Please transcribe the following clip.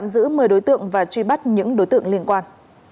giữ một mươi đối tượng và truy bắt những đối tượng liên quan